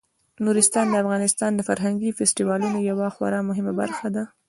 نورستان د افغانستان د فرهنګي فستیوالونو یوه خورا مهمه برخه ده.